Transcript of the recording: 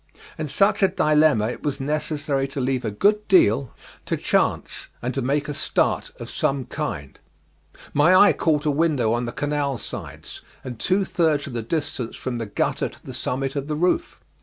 In such a dilemma it was necessary to leave a good deal to chance, and to make a start of some kind. My eye caught a window on the canal sides, and two thirds of the distance from the gutter to the summit of the roof.